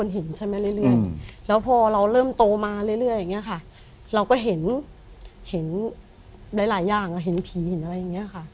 เห็นผีอะไรอย่างนี้ค่ะ